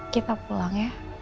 kita pulang ya